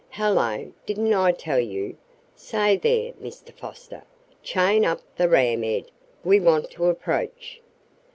Hello! Didn't I tell you? Say, there, Mr. Foster! Chain up the ram, Ed. We want to approach."